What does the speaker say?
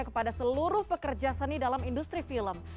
kepada seluruh pekerja seni dalam industri film